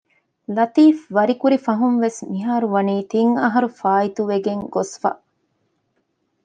ލަތީފްވަރިކުރި ފަހުންވެސް މިހާރު މިވަނީ ތިން އަހަރު ފާއިތުވެގެން ގޮސްފަ